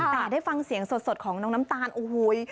แต่ได้ฟังเสียงสดของน้องน้ำตาลโอ้โห